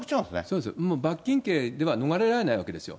そうですね、もう罰金刑では逃れられないわけですよ。